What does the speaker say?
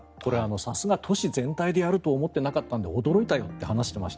さすがに都市全体でやると思っていなかったので驚いたよと話していました。